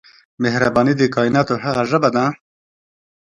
مهرباني د کائنات هغه ژبه ده.